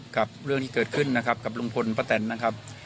กับเรื่องที่เกิดขึ้นนะครับกับลุงพลป้าแตนนะครับ